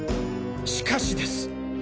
しかしです！